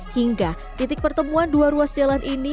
hingga titik pertemuan dua ruas jalan ini